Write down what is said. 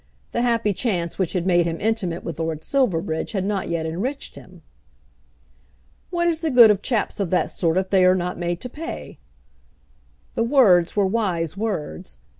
The happy chance which had made him intimate with Lord Silverbridge had not yet enriched him. "What is the good of chaps of that sort if they are not made to pay?" The words were wise words.